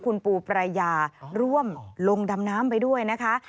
คุณปูปรายาร่วมลงดำน้ำไปด้วยนะคะ